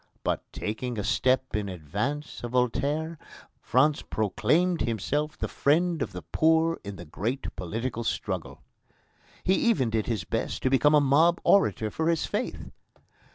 But, taking a step in advance of Voltaire, France proclaimed himself the friend of the poor in the great political struggle." He even did his best to become a mob orator for his faith.